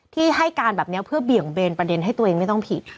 ที่ให้การแบบนี้เพื่อเบี่ยงเบนประเด็นให้ตัวเองไม่ต้องผิด